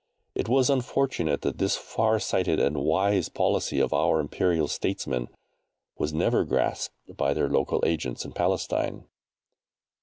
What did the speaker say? It was unfortunate that this far sighted and wise policy of our Imperial Statesmen was never grasped by their local agents in Palestine.